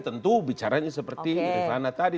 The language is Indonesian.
tentu bicaranya seperti rifana tadi